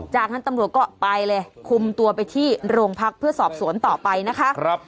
จากนั้นตำรวจก็ไปเลยคุมตัวไปที่โรงพักเพื่อสอบสวนต่อไปนะคะ